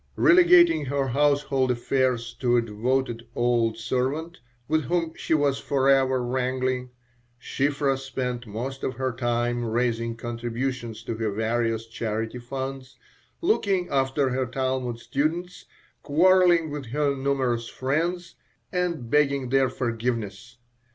Relegating her household affairs to a devoted old servant, with whom she was forever wrangling, Shiphrah spent most of her time raising contributions to her various charity funds, looking after her Talmud students, quarreling with her numerous friends, and begging their forgiveness.